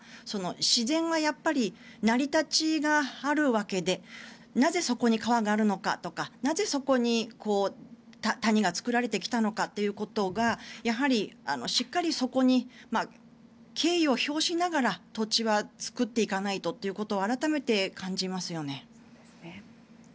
自然はやっぱり成り立ちがあるわけでなぜ、そこに川があるのかなぜ、そこに谷が作られてきたのかということがやはりしっかりそこに敬意を表しながら土地は作っていかないとということを改めて感じますよね。